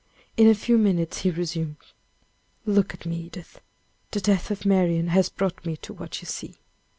In a few minutes he resumed. "Look at me, Edith! the death of Marian has brought me to what you see!